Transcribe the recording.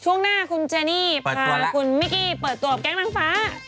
ช่วงหน้าคุณเจนี่พาคุณมิกกี้เปิดตัวกับแก๊งนางฟ้า